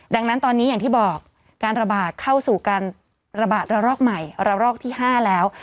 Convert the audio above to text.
ดังนั้นตอนนี้อย่างที่บอกการระบาดเข้าสู่การระบาดระลอกใหม่ระลอกที่๕แล้ว